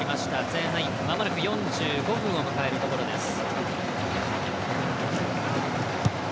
前半、まもなく４５分を迎えるところです。